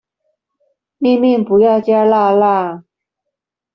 麵麵不要加辣辣